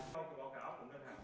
tại diễn đàn